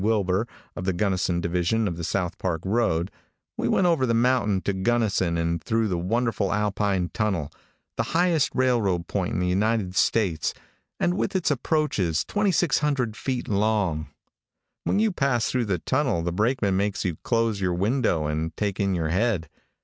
Wilbur, of the Gunnison division of the South Park road, we went over the mountain to Gunnison and through the wonderful Alpine tunnel, the highest railroad point in the United States, and with its approaches 2,600 feet long. When you pass through the tunnel the brakeman makes you close your window and take in your head.